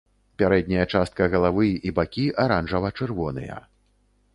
Пярэдняя частка галавы і бакі аранжава-чырвоныя.